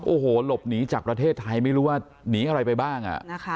โอ้โหหลบหนีจากประเทศไทยไม่รู้ว่าหนีอะไรไปบ้าง